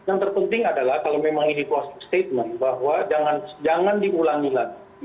yang terpenting adalah kalau memang ini closing statement bahwa jangan diulangi lagi